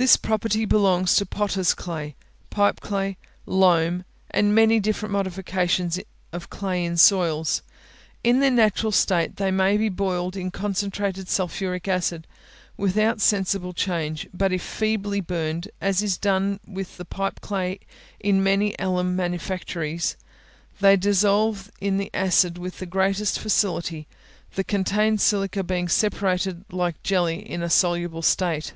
This property belongs to potters' clay, pipe clay, loam, and many different modifications of clay in soils. In their natural state they may be boiled in concentrated sulphuric acid, without sensible change; but if feebly burned, as is done with the pipe clay in many alum manufactories, they dissolve in the acid with the greatest facility, the contained silica being separated like jelly in a soluble state.